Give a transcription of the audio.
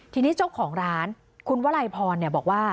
ทีนี้เจ้าของร้านคุณวลัยพรบอกว่า